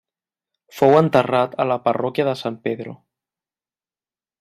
Fou enterrat a la parròquia de San Pedro.